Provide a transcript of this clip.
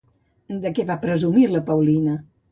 De què va presumir la Paulina?